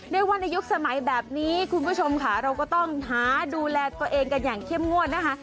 ในวันในยุคสมัยแบบนี้คุณผู้ชมค่ะเราก็ต้องหาดูแลตัวเองกันอย่างเข้มงวดนะคะ